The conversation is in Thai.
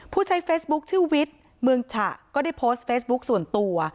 ผู้ใช้เฟซบุ๊คชื่อวิทย์เมืองฉะก็ได้โพสต์เฟซบุ๊คส่วนตัว